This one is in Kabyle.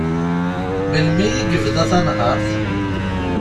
Melmi i yebda tanhert?